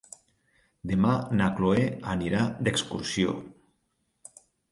Demà na Cloè anirà d'excursió.